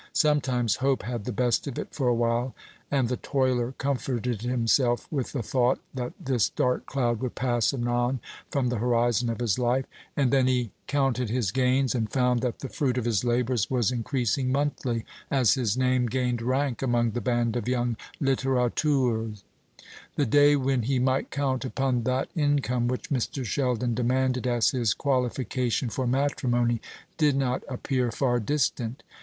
Sometimes hope had the best of it for a while, and the toiler comforted himself with the thought that this dark cloud would pass anon from the horizon of his life; and then he counted his gains, and found that the fruit of his labours was increasing monthly, as his name gained rank among the band of young littérateurs. The day when he might count upon that income which Mr. Sheldon demanded as his qualification for matrimony did not appear far distant.